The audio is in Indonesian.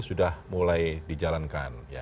sudah mulai dijalankan